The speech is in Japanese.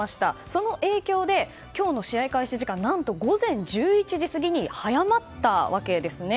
その影響で今日の試合開始時間何と午前１１時過ぎに早まったわけですね。